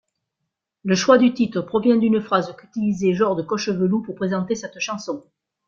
Le choix du titre provient d'une phrase qu'utilisait Jord Cochevelou pour présenter cette chanson.